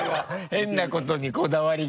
変なことにこだわりがある。